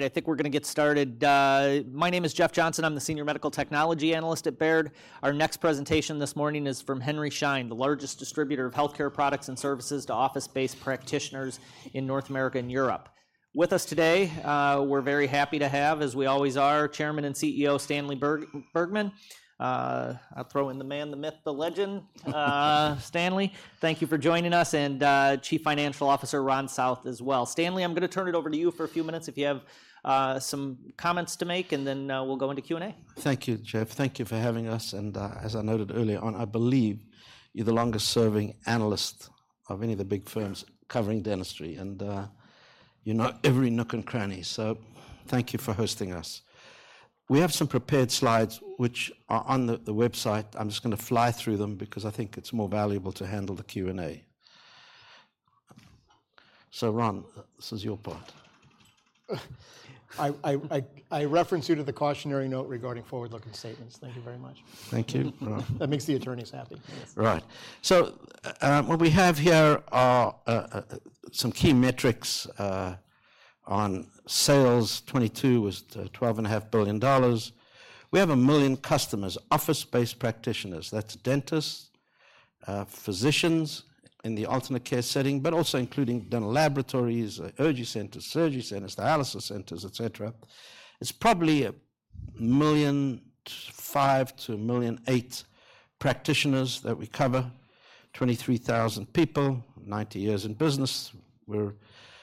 All right, I think we're gonna get started. My name is Jeff Johnson. I'm the Senior Medical Technology Analyst at Baird. Our next presentation this morning is from Henry Schein, the largest distributor of healthcare products and services to office-based practitioners in North America and Europe. With us today, we're very happy to have, as we always are, Chairman and CEO, Stanley Bergman. I'll throw in the man, the myth, the legend. Stanley, thank you for joining us, and, Chief Financial Officer, Ron South, as well. Stanley, I'm gonna turn it over to you for a few minutes if you have, some comments to make, and then, we'll go into Q&A. Thank you, Jeff. Thank you for having us, and, as I noted earlier on, I believe you're the longest-serving analyst of any of the big firms- Yeah... covering dentistry, and, you know every nook and cranny, so thank you for hosting us. We have some prepared slides which are on the website. I'm just gonna fly through them because I think it's more valuable to handle the Q&A. So, Ron, this is your part. I reference you to the cautionary note regarding forward-looking statements. Thank you very much. Thank you, Ron. That makes the attorneys happy. Right. So, what we have here are some key metrics. On sales, 2022 was $12.5 billion. We have 1 million customers, office-based practitioners. That's dentists, physicians in the alternate care setting, but also including dental laboratories, urgent centers, surgery centers, dialysis centers, et cetera. It's probably 1.5 million-1.8 million practitioners that we cover, 23,000 people, 90 years in business. We're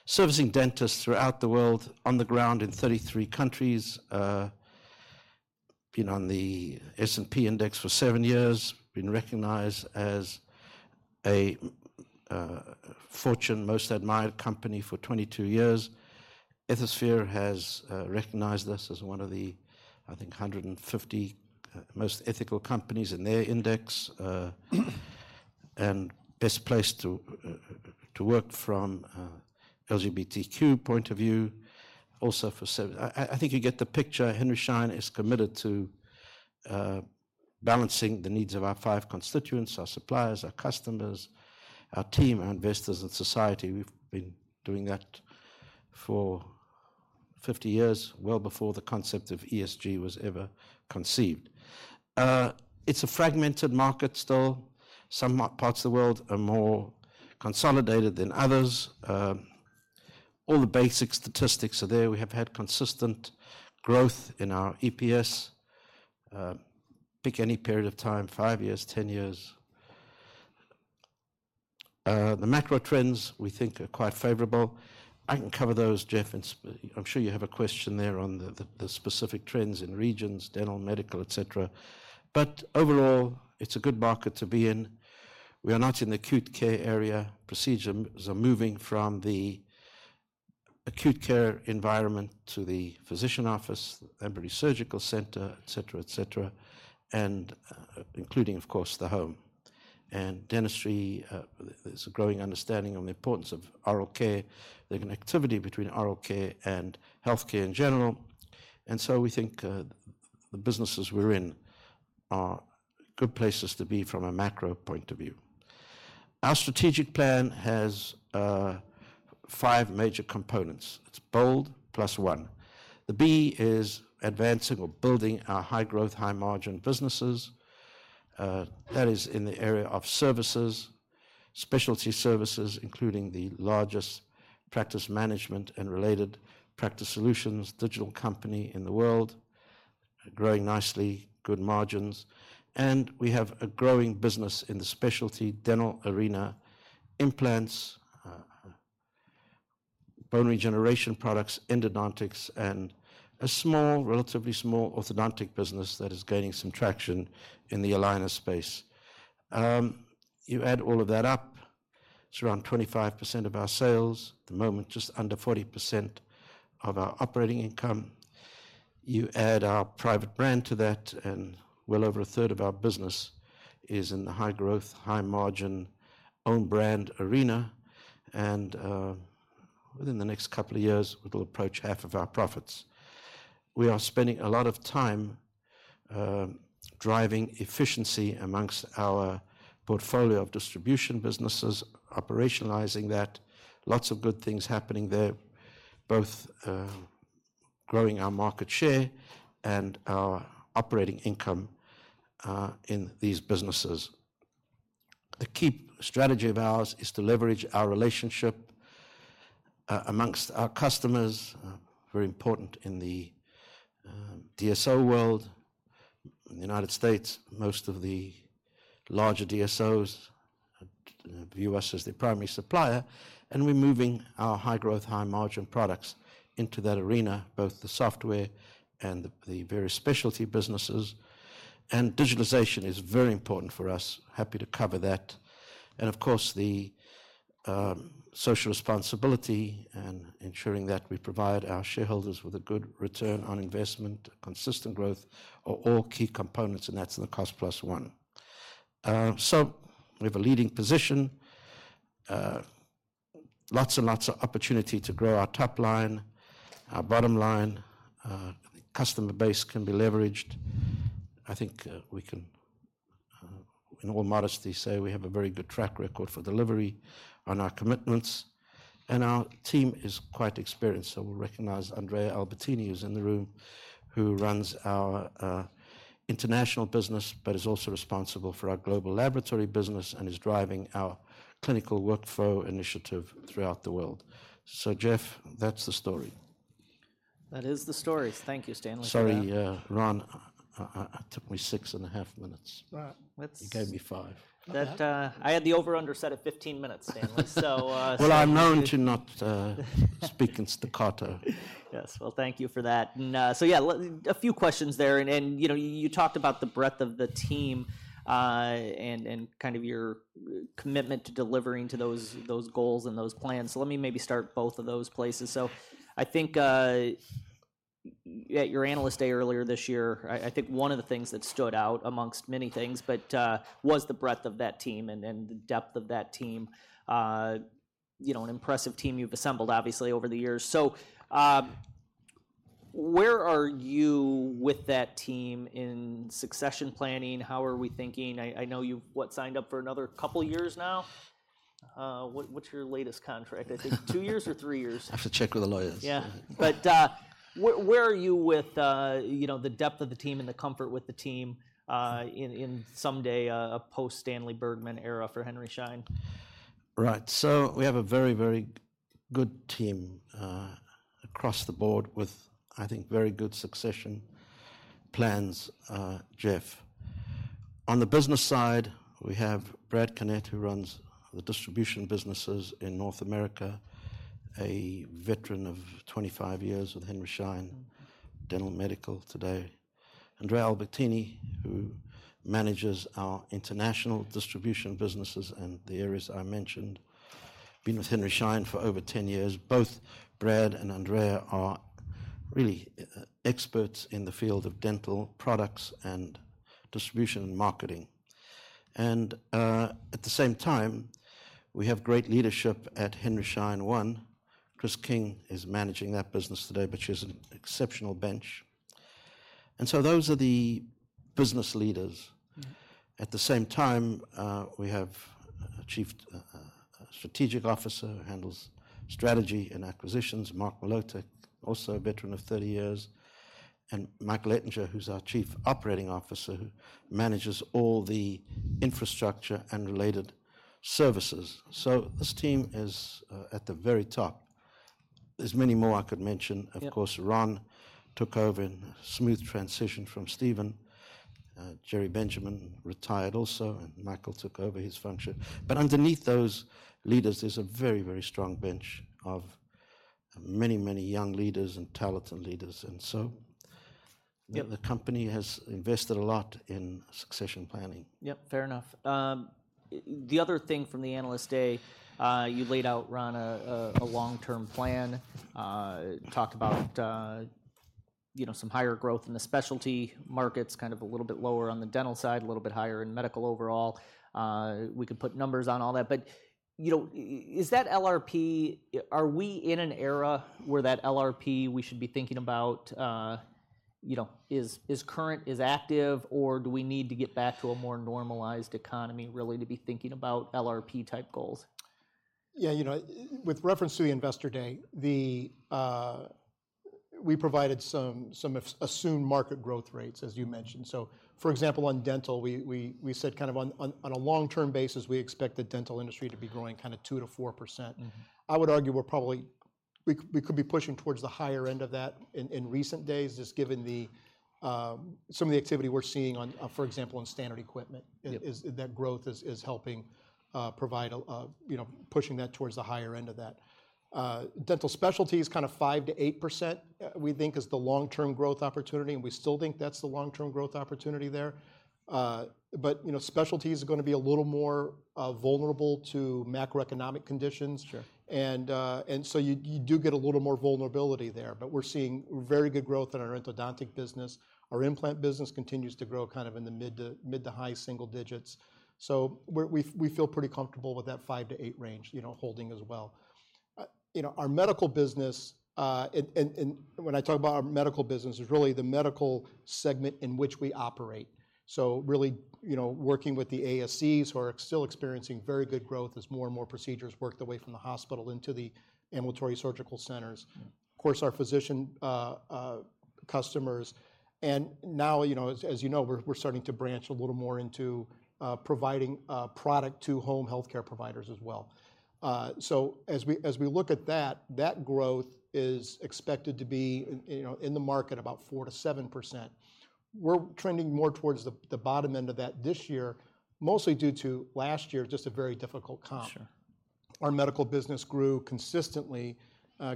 servicing dentists throughout the world, on the ground in 33 countries. Been on the S&P index for 7 years. Been recognized as a Fortune Most Admired company for 22 years. Ethisphere has recognized us as one of the, I think, 150 most ethical companies in their index, and best place to work from LGBTQ point of view, also for sev... I think you get the picture. Henry Schein is committed to balancing the needs of our five constituents, our suppliers, our customers, our team, our investors, and society. We've been doing that for 50 years, well before the concept of ESG was ever conceived. It's a fragmented market still. Some parts of the world are more consolidated than others. All the basic statistics are there. We have had consistent growth in our EPS. Pick any period of time, 5 years, 10 years. The macro trends, we think, are quite favorable. I can cover those, Jeff, and I'm sure you have a question there on the, the, the specific trends in regions, dental, medical, et cetera. But overall, it's a good market to be in. We are not in the acute care area. Procedures are moving from the acute care environment to the physician office, ambulatory surgical center, et cetera, et cetera, and, including, of course, the home. Dentistry, there's a growing understanding on the importance of oral care, the connectivity between oral care and healthcare in general, and so we think, the businesses we're in are good places to be from a macro point of view. Our strategic plan has five major components. It's BOLD+1. The B is advancing or building our high-growth, high-margin businesses. That is in the area of services, specialty services, including the largest practice management and related practice solutions, digital company in the world, growing nicely, good margins. We have a growing business in the specialty dental arena, implants, bone regeneration products, endodontics, and a small, relatively small, orthodontic business that is gaining some traction in the aligner space. You add all of that up, it's around 25% of our sales, at the moment, just under 40% of our operating income. You add our private brand to that, and well over a third of our business is in the high-growth, high-margin, own brand arena, and within the next couple of years, it'll approach half of our profits. We are spending a lot of time driving efficiency amongst our portfolio of distribution businesses, operationalizing that. Lots of good things happening there, both growing our market share and our operating income in these businesses. A key strategy of ours is to leverage our relationship amongst our customers, very important in the DSO world. In the United States, most of the larger DSOs view us as their primary supplier, and we're moving our high-growth, high-margin products into that arena, both the software and the various specialty businesses. And digitalization is very important for us. Happy to cover that. And, of course, the social responsibility and ensuring that we provide our shareholders with a good return on investment, consistent growth, are all key components, and that's in the BOLD+1. So we have a leading position, lots and lots of opportunity to grow our top line, our bottom line, customer base can be leveraged. I think, we can-... In all modesty, say we have a very good track record for delivery on our commitments, and our team is quite experienced. So we'll recognize Andrea Albertini, who's in the room, who runs our international business, but is also responsible for our global laboratory business and is driving our clinical workflow initiative throughout the world. So Jeff, that's the story. That is the story. Thank you, Stanley. Sorry, Ron, I took me 6.5 minutes. Right. Let's- You gave me five. That, I had the over-under set at 15 minutes, Stanley. So... Well, I'm known to not speak in staccato. Yes. Well, thank you for that. And, so yeah, a few questions there, and, you know, you talked about the breadth of the team, and kind of your commitment to delivering to those goals and those plans. So let me maybe start both of those places. So I think, at your Analyst Day earlier this year, I think one of the things that stood out amongst many things, but was the breadth of that team and the depth of that team. You know, an impressive team you've assembled, obviously, over the years. So, where are you with that team in succession planning? How are we thinking? I know you've, what, signed up for another couple of years now? What, what's your latest contract? I think two years or three years. I have to check with the lawyers. Yeah. But where are you with, you know, the depth of the team and the comfort with the team in someday, a post-Stanley Bergman era for Henry Schein? Right. So we have a very, very good team across the board with, I think, very good succession plans, Jeff. On the business side, we have Brad Connett, who runs the distribution businesses in North America, a veteran of 25 years with Henry Schein Dental and Medical today. Andrea Albertini, who manages our international distribution businesses and the areas I mentioned, been with Henry Schein for over 10 years. Both Brad and Andrea are really experts in the field of dental products and distribution and marketing. And at the same time, we have great leadership at Henry Schein One. Chris King is managing that business today, but she has an exceptional bench. And so those are the business leaders. At the same time, we have a Chief Strategic Officer who handles strategy and acquisitions, Mark Mlotek, also a veteran of 30 years, and Michael Ettinger, who's our Chief Operating Officer, who manages all the infrastructure and related services. So this team is at the very top. There's many more I could mention. Yep. Of course, Ron took over in a smooth transition from Steven. Gerald Benjamin retired also, and Michael took over his function. But underneath those leaders, there's a very, very strong bench of many, many young leaders and talented leaders, and so the company has invested a lot in succession planning. Yep, fair enough. The other thing from the Analyst Day, you laid out, Ron, a long-term plan, talked about, you know, some higher growth in the specialty markets, kind of a little bit lower on the dental side, a little bit higher in medical overall. We could put numbers on all that, but, you know, is that LRP-- Are we in an era where that LRP we should be thinking about, you know, is current, is active, or do we need to get back to a more normalized economy, really, to be thinking about LRP-type goals? Yeah, you know, with reference to the Investor Day, we provided some assumed market growth rates, as you mentioned. So for example, on dental, we said kind of on a long-term basis, we expect the dental industry to be growing kind of 2%-4%. I would argue we're probably we could be pushing towards the higher end of that in recent days, just given some of the activity we're seeing on, for example, in standard equipment is that growth is helping provide a, you know, pushing that towards the higher end of that Yep Dental specialties, kind of 5%-8%, we think is the long-term growth opportunity, and we still think that's the long-term growth opportunity there. But, you know, specialty is gonna be a little more vulnerable to macroeconomic conditions. Sure. And so you do get a little more vulnerability there, but we're seeing very good growth in our endodontic business. Our implant business continues to grow kind of in the mid- to high single digits. So we feel pretty comfortable with that 5-8 range, you know, holding as well. You know, our medical business, when I talk about our medical business, is really the medical segment in which we operate. So really, you know, working with the ASCs, who are still experiencing very good growth as more and more procedures work their way from the hospital into the ambulatory surgical centers. Of course, our physician customers and now, you know, as you know, we're starting to branch a little more into providing product to home healthcare providers as well. So as we look at that, that growth is expected to be, you know, in the market about 4%-7%. We're trending more towards the bottom end of that this year, mostly due to last year, just a very difficult comp. Sure. Our medical business grew consistently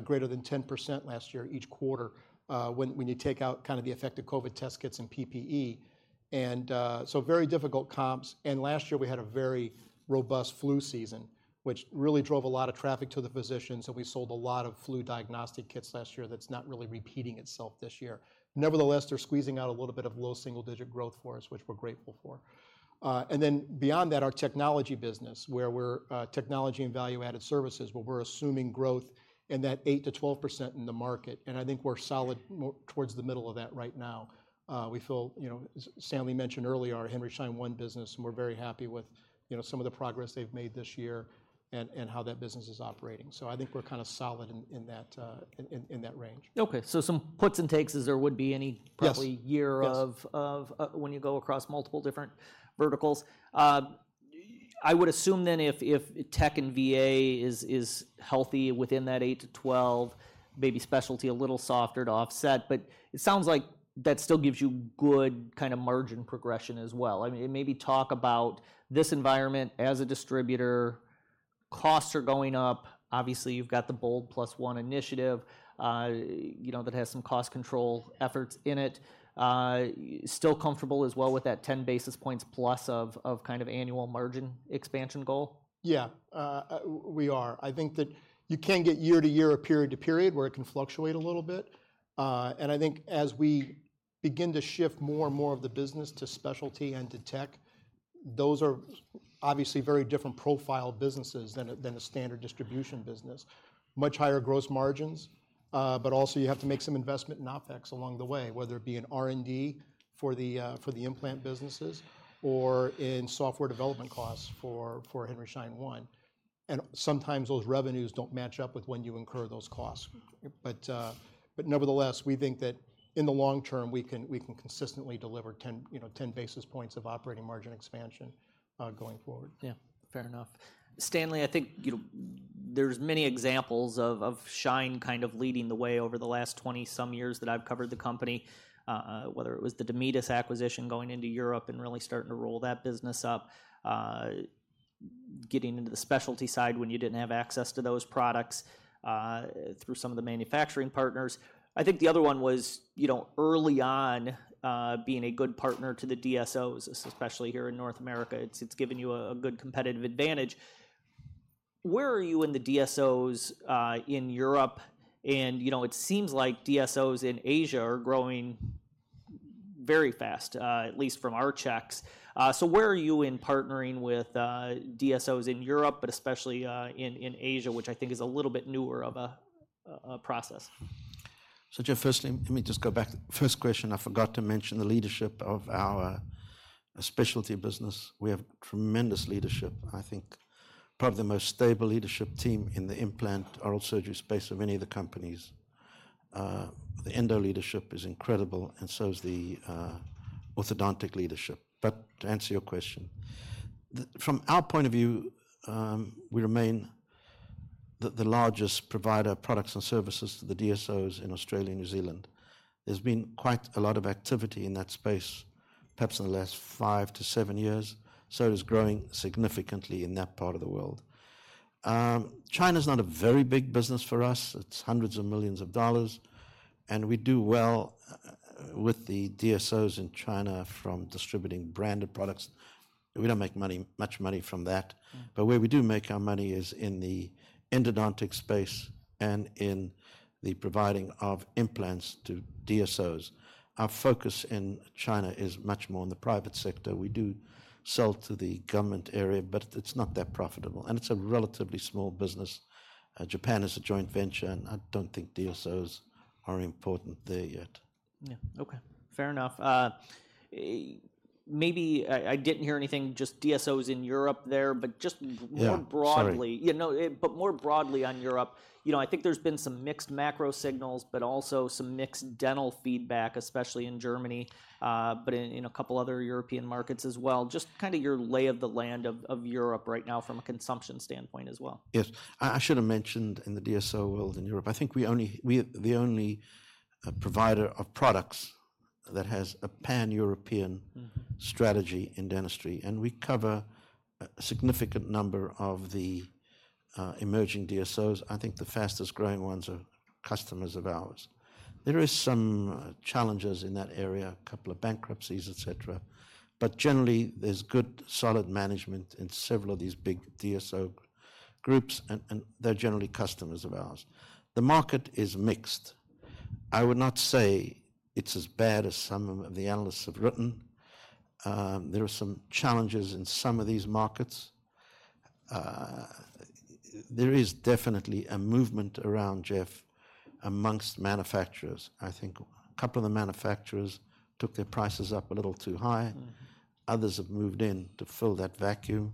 greater than 10% last year, each quarter, when you take out kind of the effect of COVID test kits and PPE, and so very difficult comps, and last year, we had a very robust flu season, which really drove a lot of traffic to the physicians, so we sold a lot of flu diagnostic kits last year that's not really repeating itself this year. Nevertheless, they're squeezing out a little bit of low single-digit growth for us, which we're grateful for. And then beyond that, our technology business, where we're technology and value-added services, where we're assuming growth in that 8%-12% in the market, and I think we're solid more towards the middle of that right now. We feel, you know, as Stanley mentioned earlier, our Henry Schein One business, and we're very happy with, you know, some of the progress they've made this year and how that business is operating. So I think we're kind of solid in that range. Okay. So some puts and takes as there would be any- Yes Probably year of- Yes Of, when you go across multiple different verticals. I would assume then if, if tech and VA is, is healthy within that 8-12, maybe specialty a little softer to offset, but it sounds like that still gives you good kind of margin progression as well. I mean, and maybe talk about this environment as a distributor. Costs are going up. Obviously, you've got the BOLD+1 initiative, you know, that has some cost control efforts in it. Still comfortable as well with that 10 basis points plus of, of kind of annual margin expansion goal? Yeah, we are. I think that you can get year to year or period to period where it can fluctuate a little bit, and I think as we begin to shift more and more of the business to specialty and to tech, those are obviously very different profile businesses than a standard distribution business. Much higher gross margins, but also you have to make some investment in OpEx along the way, whether it be in R&D for the implant businesses or in software development costs for Henry Schein One. And sometimes those revenues don't match up with when you incur those costs. But nevertheless, we think that in the long term, we can consistently deliver 10, you know, 10 basis points of operating margin expansion going forward. Yeah. Fair enough. Stanley, I think, you know, there's many examples of Schein kind of leading the way over the last 20-some years that I've covered the company, whether it was the Demedis acquisition going into Europe and really starting to roll that business up, getting into the specialty side when you didn't have access to those products through some of the manufacturing partners. I think the other one was, you know, early on, being a good partner to the DSOs, especially here in North America. It's given you a good competitive advantage. Where are you in the DSOs in Europe? And, you know, it seems like DSOs in Asia are growing very fast, at least from our checks. So where are you in partnering with DSOs in Europe, but especially in Asia, which I think is a little bit newer of a process? So, Jeff, firstly, let me just go back. First question, I forgot to mention the leadership of our specialty business. We have tremendous leadership, I think probably the most stable leadership team in the implant oral surgery space of any of the companies. The endo leadership is incredible, and so is the orthodontic leadership. But to answer your question, from our point of view, we remain the largest provider of products and services to the DSOs in Australia and New Zealand. There's been quite a lot of activity in that space, perhaps in the last 5-7 years, so it is growing significantly in that part of the world. China's not a very big business for us. It's $hundreds of millions, and we do well with the DSOs in China from distributing branded products. We don't make much money from that, but where we do make our money is in the endodontic space and in the providing of implants to DSOs. Our focus in China is much more on the private sector. We do sell to the government area, but it's not that profitable, and it's a relatively small business. Japan is a joint venture, and I don't think DSOs are important there yet. Yeah. Okay. Fair enough. Maybe I didn't hear anything, just DSOs in Europe there, but just- Yeah, sorry... more broadly. Yeah, no, but more broadly on Europe, you know, I think there's been some mixed macro signals, but also some mixed dental feedback, especially in Germany, but in a couple other European markets as well. Just kind of your lay of the land of Europe right now from a consumption standpoint as well. Yes. I, I should have mentioned in the DSO world, in Europe, I think we only we the only provider of products that has a Pan-European strategy in dentistry, and we cover a significant number of the emerging DSOs. I think the fastest-growing ones are customers of ours. There is some challenges in that area, a couple of bankruptcies, et cetera, but generally, there's good, solid management in several of these big DSO groups, and they're generally customers of ours. The market is mixed. I would not say it's as bad as some of the analysts have written. There are some challenges in some of these markets. There is definitely a movement around, Jeff, amongst manufacturers. I think a couple of the manufacturers took their prices up a little too high. Mm. Others have moved in to fill that vacuum.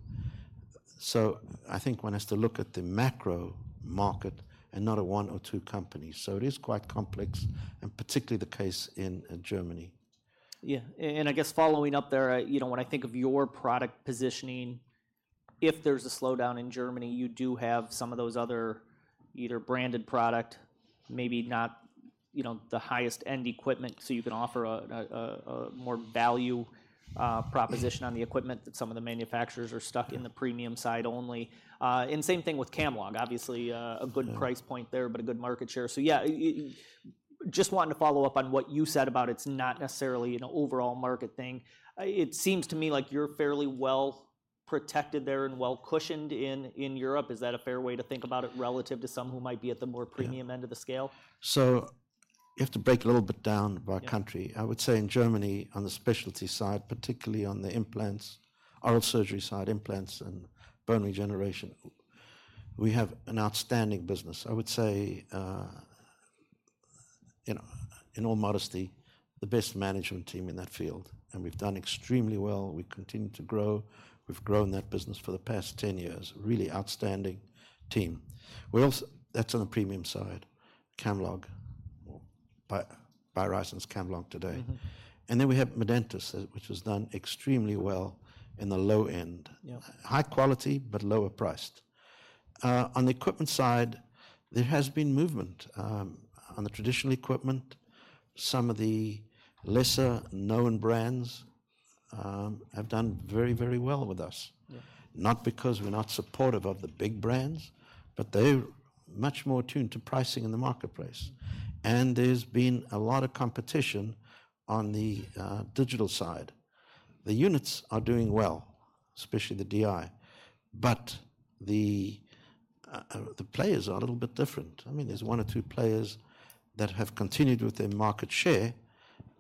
So I think one has to look at the macro market and not at one or two companies. So it is quite complex, and particularly the case in Germany. Yeah. And I guess following up there, you know, when I think of your product positioning, if there's a slowdown in Germany, you do have some of those other either branded product, maybe not, you know, the highest end equipment, so you can offer a more value proposition on the equipment that some of the manufacturers are stuck in the premium side only. And same thing with Camlog, obviously, a good price point there, but a good market share. So yeah. Just wanting to follow up on what you said about it's not necessarily an overall market thing. It seems to me like you're fairly well protected there and well cushioned in Europe. Is that a fair way to think about it relative to some who might be at the more premium- Yeah End of the scale? You have to break a little bit down by country. Yeah. I would say in Germany, on the specialty side, particularly on the implants, oral surgery side, implants and bone regeneration, we have an outstanding business. I would say, in all modesty, the best management team in that field, and we've done extremely well. We continue to grow. We've grown that business for the past 10 years. Really outstanding team. We're also. That's on the premium side, Camlog, or BioHorizons as Camlog today. Mm-hmm. We have Medentis, which has done extremely well in the low end. Yeah. High quality, but lower priced. On the equipment side, there has been movement. On the traditional equipment, some of the lesser-known brands have done very, very well with us. Yeah. Not because we're not supportive of the big brands, but they're much more attuned to pricing in the marketplace. There's been a lot of competition on the digital side. The units are doing well, especially the DI, but the players are a little bit different. I mean, there's one or two players that have continued with their market share,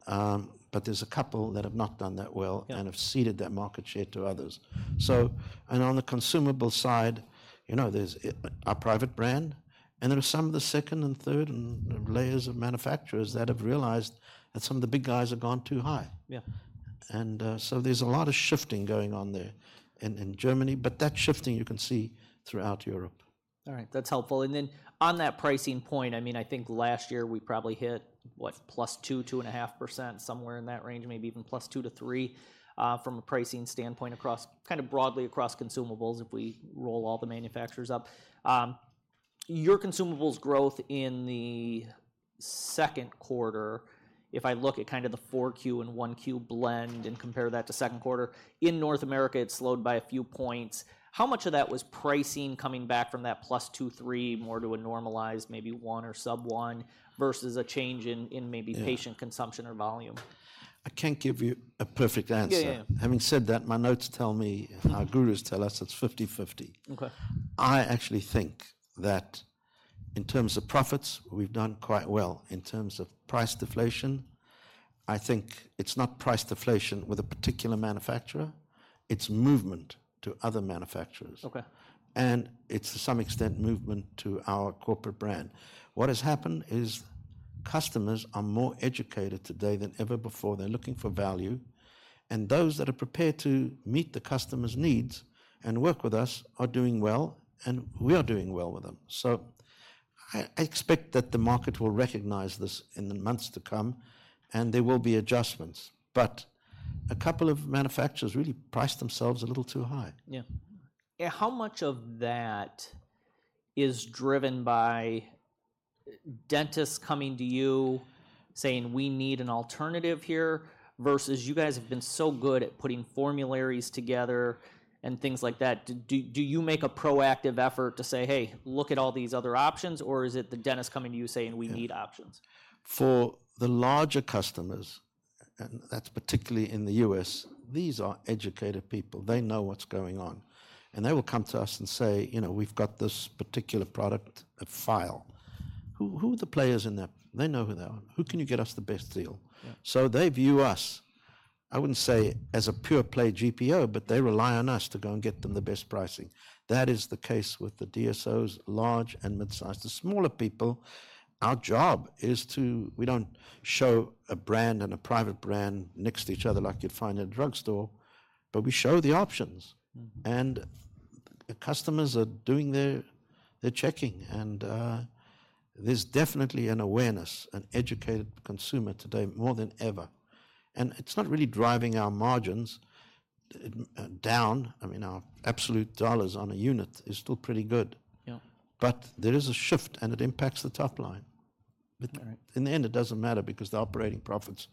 but there's a couple that have not done that well- Yeah And have ceded their market share to others. So and on the consumable side, you know, there's our private brand, and there are some of the second and third layers of manufacturers that have realized that some of the big guys have gone too high. Yeah. So, there's a lot of shifting going on there in Germany, but that shifting you can see throughout Europe. All right. That's helpful. And then, on that pricing point, I mean, I think last year we probably hit, what? +2, 2.5%, somewhere in that range, maybe even +2 to 3%, from a pricing standpoint across, kind of broadly across consumables, if we roll all the manufacturers up. Your consumables growth in the second quarter, if I look at kind of the 4Q and 1Q blend and compare that to second quarter, in North America, it slowed by a few points. How much of that was pricing coming back from that +2, 3, more to a normalized maybe 1 or sub-1, versus a change in, in maybe- Yeah Patient consumption or volume? I can't give you a perfect answer. Yeah, yeah. Having said that, my notes tell me, our gurus tell us it's 50/50. Okay. I actually think that in terms of profits, we've done quite well. In terms of price deflation, I think it's not price deflation with a particular manufacturer. It's movement to other manufacturers. Okay. It's, to some extent, movement to our corporate brand. What has happened is customers are more educated today than ever before. They're looking for value, and those that are prepared to meet the customer's needs and work with us are doing well, and we are doing well with them. So I expect that the market will recognize this in the months to come, and there will be adjustments. But a couple of manufacturers really priced themselves a little too high. Yeah. How much of that is driven by dentists coming to you saying, "We need an alternative here," versus you guys have been so good at putting formularies together and things like that. Do you make a proactive effort to say, "Hey, look at all these other options?" Or is it the dentist coming to you saying- Yeah We need options? For the larger customers, and that's particularly in the U.S., these are educated people. They know what's going on, and they will come to us and say, "You know, we've got this particular product, a file. Who, who are the players in that?" They know who they are. "Who can you get us the best deal? Yeah. So they view us, I wouldn't say as a pure-play GPO, but they rely on us to go and get them the best pricing. That is the case with the DSOs, large and mid-sized. The smaller people, our job is to... We don't show a brand and a private brand next to each other like you'd find in a drugstore, but we show the options. Mm. The customers are doing their checking, and there's definitely an awareness, an educated consumer today, more than ever. It's not really driving our margins down. I mean, our absolute dollars on a unit is still pretty good. Yeah. But there is a shift, and it impacts the top line. Right. In the end, it doesn't matter because the operating profits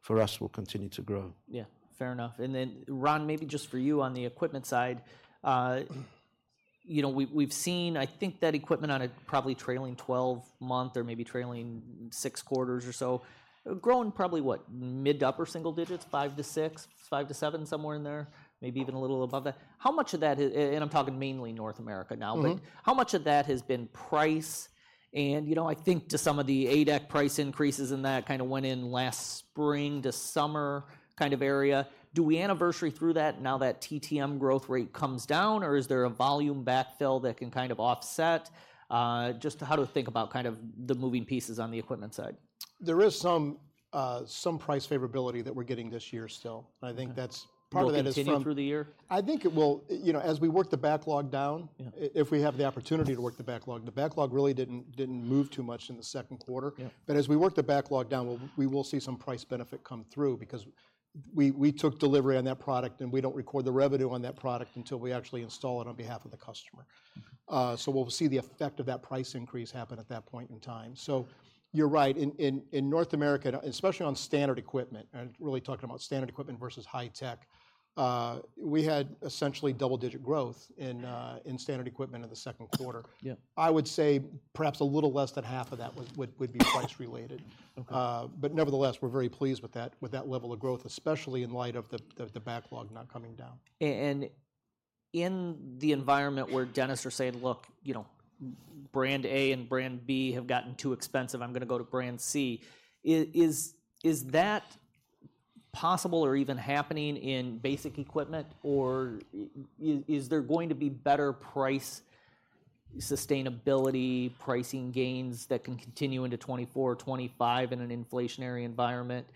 for us will continue to grow. Yeah, fair enough. And then, Ron, maybe just for you on the equipment side, you know, we've seen, I think, that equipment on a probably trailing 12-month or maybe trailing 6 quarters or so, grown probably what? Mid- to upper single digits, 5-6, 5-7, somewhere in there, maybe even a little above that. How much of that is, and I'm talking mainly North America now. Mm-hmm. But how much of that has been price and, you know, I think to some of the A-dec price increases and that kind of went in last spring to summer kind of area. Do we anniversary through that now that TTM growth rate comes down, or is there a volume backfill that can kind of offset? Just how to think about kind of the moving pieces on the equipment side. There is some price favorability that we're getting this year still. Okay. I think that's... Part of that is from- Will it continue through the year? I think it will. You know, as we work the backlog down- Yeah If we have the opportunity to work the backlog. The backlog really didn't move too much in the second quarter. Yeah. But as we work the backlog down, we will see some price benefit come through because we took delivery on that product, and we don't record the revenue on that product until we actually install it on behalf of the customer. So we'll see the effect of that price increase happen at that point in time. So you're right. In North America, and especially on standard equipment, and really talking about standard equipment versus high tech, we had essentially double-digit growth in standard equipment in the second quarter. Yeah. I would say perhaps a little less than half of that would be price-related. Okay. But nevertheless, we're very pleased with that, with that level of growth, especially in light of the backlog not coming down. In the environment where dentists are saying, "Look, you know, brand A and brand B have gotten too expensive, I'm gonna go to brand C," is that possible or even happening in basic equipment? Or is there going to be better price sustainability, pricing gains that can continue into 2024, 2025 in an inflationary environment?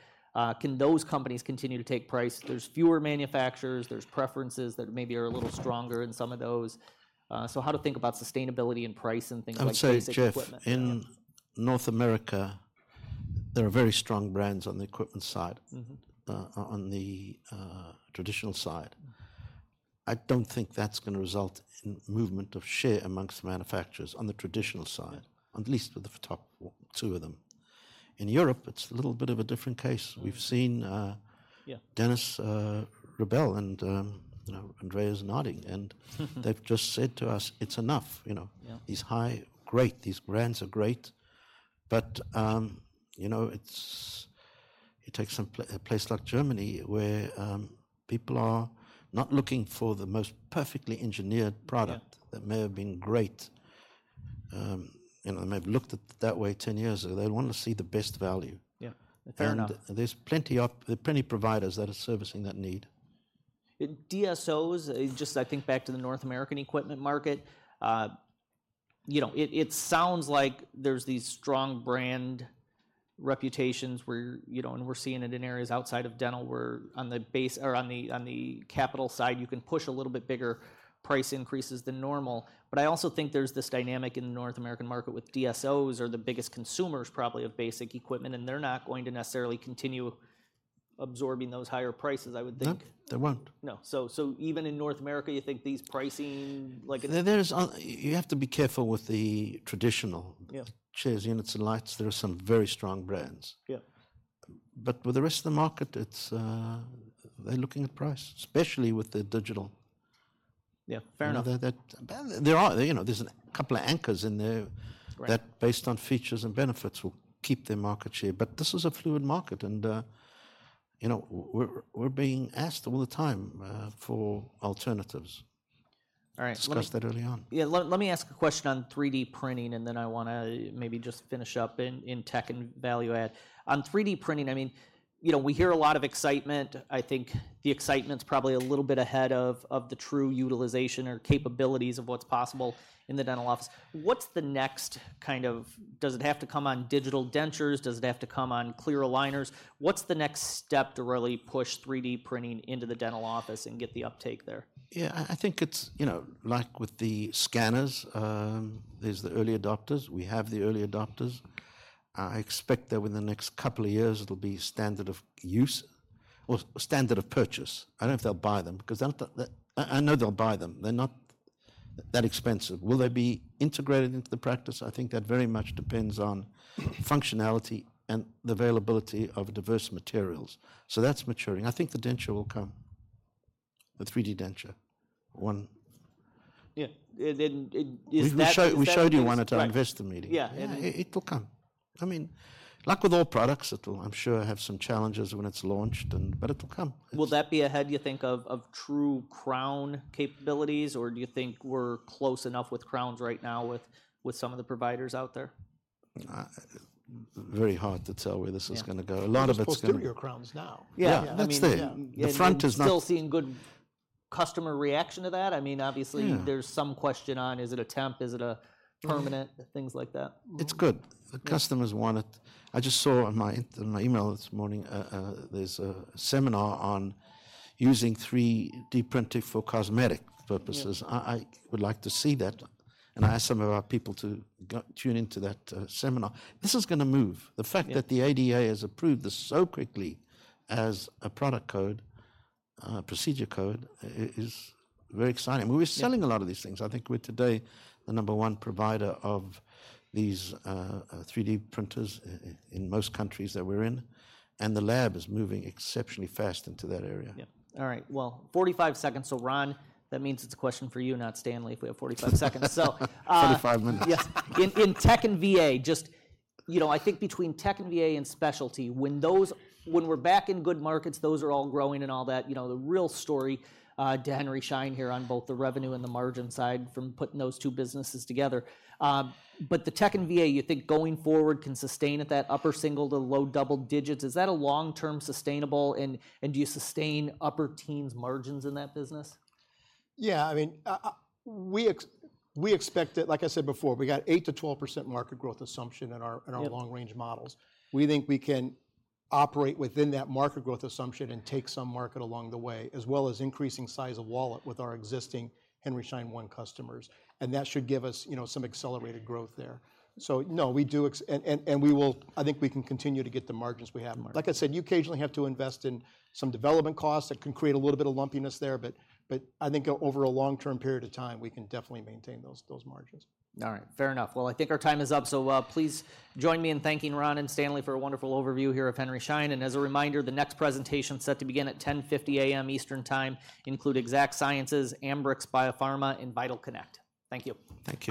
Can those companies continue to take price? There's fewer manufacturers, there's preferences that maybe are a little stronger in some of those. So how to think about sustainability and price and things like basic equipment- I'd say, Jeff, in North America, there are very strong brands on the equipment side. Mm-hmm. On the traditional side. I don't think that's gonna result in movement of share amongst manufacturers on the traditional side, at least with the top two of them. In Europe, it's a little bit of a different case. We've seen, Yeah Dennis Rebell, and, you know, Andreas Nodding, and they've just said to us, "It's enough," you know? Yeah. It's high. Great, these brands are great," but you know, it takes some place like Germany, where people are not looking for the most perfectly engineered product- Yeah That may have been great. You know, they may have looked at it that way ten years ago. They want to see the best value. Yeah. Fair enough. There are plenty of providers that are servicing that need. DSOs, just I think back to the North American equipment market. You know, it sounds like there's these strong brand reputations where, you know, and we're seeing it in areas outside of dental, where on the base or on the capital side, you can push a little bit bigger price increases than normal. But I also think there's this dynamic in the North American market with DSOs are the biggest consumers probably of basic equipment, and they're not going to necessarily continue absorbing those higher prices, I would think. No, they won't. No. So even in North America, you think these pricing, like- You have to be careful with the traditional- Yeah Chairs, units, and lights. There are some very strong brands. Yeah. But with the rest of the market, it's, they're looking at price, especially with the digital. Yeah, fair enough. You know, that. There are, you know, there's a couple of anchors in there- Right That, based on features and benefits, will keep their market share. But this is a fluid market, and, you know, we're being asked all the time, for alternatives. All right. Let me- Discussed that early on. Yeah, let me ask a question on 3D printing, and then I want to maybe just finish up in tech and value add. On 3D printing, I mean, you know, we hear a lot of excitement. I think the excitement's probably a little bit ahead of the true utilization or capabilities of what's possible in the dental office. What's the next kind of... Does it have to come on digital dentures? Does it have to come on clear aligners? What's the next step to really push 3D printing into the dental office and get the uptake there? Yeah, I think it's, you know, like with the scanners, there's the early adopters. We have the early adopters. I expect that within the next couple of years, it'll be standard of use or standard of purchase. I don't know if they'll buy them. I, I know they'll buy them. They're not that expensive. Will they be integrated into the practice? I think that very much depends on functionality and the availability of diverse materials, so that's maturing. I think the denture will come, the 3D denture. One- Yeah, and then, is that- We showed you one at our investor meeting. Right. Yeah, and- It will come. I mean, like with all products, it'll, I'm sure, have some challenges when it's launched, and... but it will come. Will that be ahead, you think, of true crown capabilities, or do you think we're close enough with crowns right now with some of the providers out there? Very hard to tell where this is gonna go. Yeah. A lot of it's- You can still do your crowns now. Yeah. That's there. Yeah. The front is not- Still seeing good customer reaction to that? I mean, obviously- Yeah... there's some question on: Is it a temp? Is it a permanent? Mm-hmm. Things like that. It's good. The customers want it. I just saw in my email this morning, there's a seminar on using 3D printing for cosmetic purposes. Yeah. I would like to see that, and I asked some of our people to go tune into that seminar. This is gonna move. Yeah. The fact that the ADA has approved this so quickly as a product code, procedure code, is very exciting. Yeah. We're selling a lot of these things. I think we're, today, the number one provider of these 3D printers in most countries that we're in, and the lab is moving exceptionally fast into that area. Yeah. All right, well, 45 seconds, so, Ron, that means it's a question for you, not Stanley, if we have 45 seconds. So- 45 minutes. Yes. In tech and VA, just, you know, I think between tech and VA and specialty, when those, when we're back in good markets, those are all growing and all that. You know, the real story to Henry Schein here on both the revenue and the margin side from putting those two businesses together. But the tech and VA, you think going forward can sustain at that upper single to low double digits? Is that a long-term sustainable, and, and do you sustain upper teens margins in that business? Yeah, I mean, we expect it. Like I said before, we got 8% to 12% market growth assumption in our- Yeah In our long-range models. We think we can operate within that market growth assumption and take some market along the way, as well as increasing size of wallet with our existing Henry Schein One customers, and that should give us, you know, some accelerated growth there. So no, we do—and we will—I think we can continue to get the margins we have. Margins. Like I said, you occasionally have to invest in some development costs that can create a little bit of lumpiness there, but, but I think over a long-term period of time, we can definitely maintain those, those margins. All right. Fair enough. Well, I think our time is up, so please join me in thanking Ron and Stanley for a wonderful overview here of Henry Schein. As a reminder, the next presentation is set to begin at 10:50 A.M. Eastern Time, include Exact Sciences, Ambrx Biopharma, and VitalConnect. Thank you. Thank you.